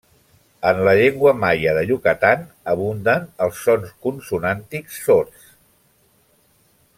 En la llengua maia de Yucatán abunden els sons consonàntics sords.